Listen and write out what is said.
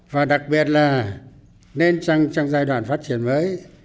và đặc biệt là nên trong giai đoạn phát triển mới